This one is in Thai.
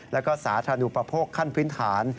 แล้วก็สาธารณูปโภคขั้นพื้นฐาน